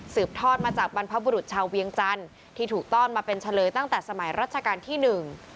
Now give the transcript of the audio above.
ทอดมาจากบรรพบุรุษชาวเวียงจันทร์ที่ถูกต้อนมาเป็นเฉลยตั้งแต่สมัยรัชกาลที่หนึ่ง